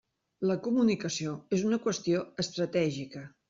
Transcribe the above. La comunicació és una qüestió estratègica.